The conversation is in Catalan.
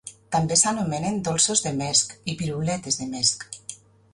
També s'anomenen "dolços de mesc" i "piruletes de mesc".